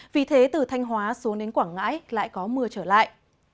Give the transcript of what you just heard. vì thế từ thanh hóa xuống đến quảng ngãi lại có mưa trở lại